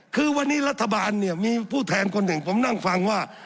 คือวันนี้รัฐบาลเนี่ยมีผู้แทนคนหนึ่งผมนั่งฟังว่า